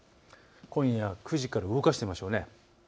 今夜９時から動かしてみましょう。